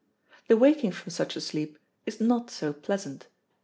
The waking from such a sleep is not so pleasant.